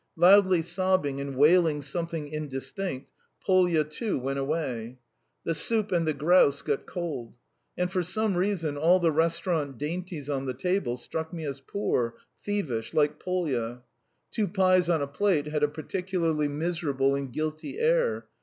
Loudly sobbing and wailing something indistinct, Polya, too, went away. The soup and the grouse got cold. And for some reason all the restaurant dainties on the table struck me as poor, thievish, like Polya. Two pies on a plate had a particularly miserable and guilty air.